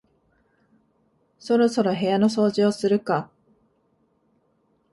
そろそろ部屋の掃除をするか